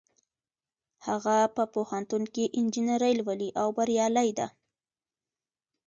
هغه په پوهنتون کې انجینري لولي او بریالۍ ده